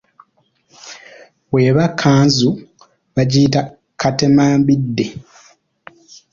Bw'eba kkanzu bagiyita katemambidde.